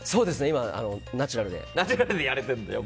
今、ナチュラルで。